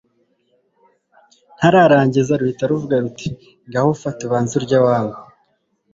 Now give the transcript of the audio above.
ntararangiza ruhita ruvuga ruti ngaho fata ubanze urye wangu